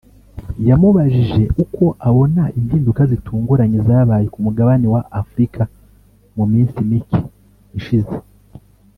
yamubajije uko abona impinduka zitunguranye zabaye ku mugabane wa Afurika mu minsi mike ishize